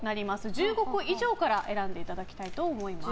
１５個以上から選んでいただきたいと思います。